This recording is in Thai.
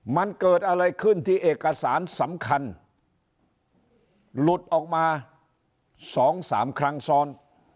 มันเกิดอะไรขึ้นที่เอกสารสำคัญหลุดออกมา๒๓ครั้งซ้อน